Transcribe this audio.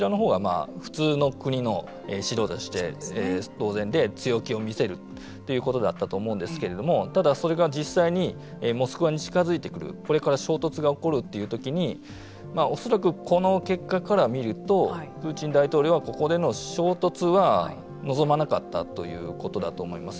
普通の指導者として当然で強気を見せるということだったと思うんですけれどもただ、それが実際にモスクワに近づいてくるこれから衝突が起こるという時に恐らくこの結果から見るとプーチン大統領はここでの衝突は望まなかったということだと思います。